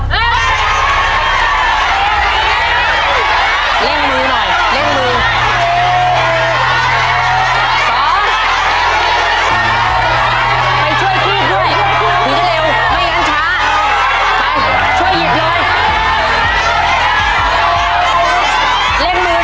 เล่งมือหน่อยเล่งมือ